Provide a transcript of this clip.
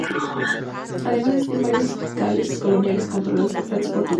Además, existían varios enclaves coloniales controlados por Francia y Portugal.